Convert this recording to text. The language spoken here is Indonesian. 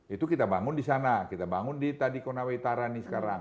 itu kita bangun di sana kita bangun di tadi konawai tara ini sekarang